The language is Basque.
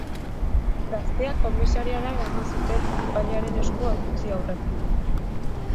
Gaztea komisariara eraman zuten epailearen esku utzi aurretik.